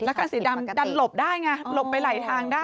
แล้วกันสีดำดันหลบได้ไงหลบไปไหลทางได้